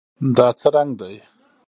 دا څه رنګ دی؟